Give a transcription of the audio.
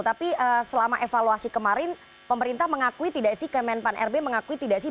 tapi selama evaluasi kemarin pemerintah mengakui tidak sih kemenpan rb mengakui tidak sih